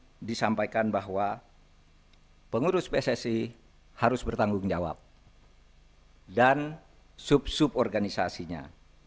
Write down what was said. saya ingin disampaikan bahwa pengurus pssi harus bertanggung jawab dan sub sub organisasinya